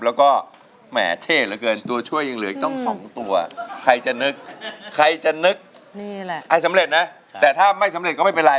แล้วก็แหม่เท่เหลือเกินตัวช่วยยังเหลืออีกตั้ง๒ตัวใครจะนึกใครจะนึกนี่แหละให้สำเร็จนะแต่ถ้าไม่สำเร็จก็ไม่เป็นไร